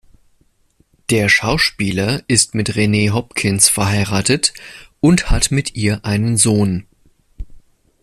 Der Schauspieler ist mit Renee Hopkins verheiratet und hat mit ihr einen Sohn.